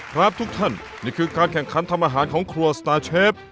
ครับทุกท่านนี่คือการแข่งขันทำอาหารของครัวสตาร์เชฟ